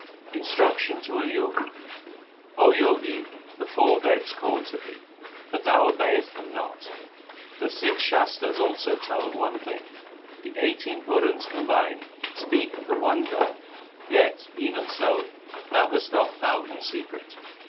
Instruction to a Jogi : O Jogi, the four Veds call to thee, but thou obeyest them not ; The six Shastars also tell of one thing. The eighteen Purans combined speak of the one God ; Yet, even so, thou hast not found their secret.